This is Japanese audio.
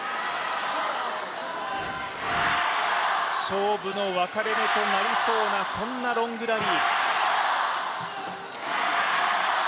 勝負の分かれ目となりそうな、そんなロングラリー。